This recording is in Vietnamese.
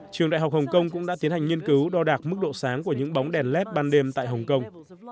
trường đại học hồng kông cũng đã tiến hành nghiên cứu đo đạc mức độ sáng của những bóng đèn led ban đêm tại hồng kông